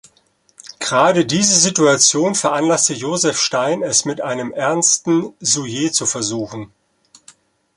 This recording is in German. Gerade diese Situation veranlasste Joseph Stein, es mit einem ernsten Sujet zu versuchen.